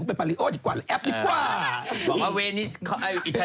ตอนนี้มันจะเจริญแบบภอดค์กรุงเทพแล้วก็เนาะ